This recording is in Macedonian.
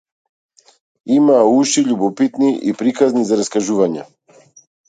Имаа уши љубопитни и приказни за раскажување.